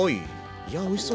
いやおいしそうだな。